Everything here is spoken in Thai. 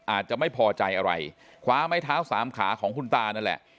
อาจจะไม่พอใจอะไรคว้าไม้เท้าสามขาของคุณตานั่นแหละ